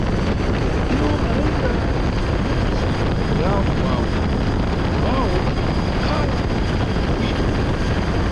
Iwo ayenda kumudzi kwa yavu wawo, yavu wawo ambakhala kuKwiro.